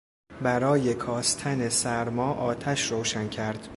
برای کاستن سرما آتش روشن کرد.